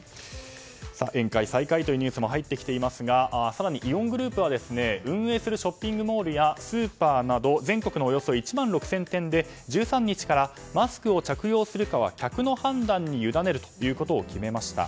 宴会再開というニュースも入ってきていますが更に、イオングループは運営するショッピングモールやスーパーなど全国のおよそ１万６０００店で１３日からマスクを着用するかは客の判断にゆだねることを決めました。